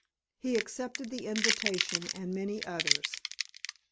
He accepted the invitation and many others.